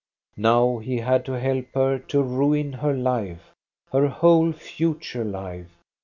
Now he had to help her to ruin her life, her whole future life.